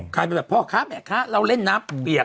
ใครเป็นแบบพ่อค้าแม่ค้าเราเล่นน้ำเปียก